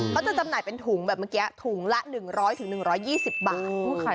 จำหน่ายเป็นถุงแบบเมื่อกี้ถุงละ๑๐๐๑๒๐บาท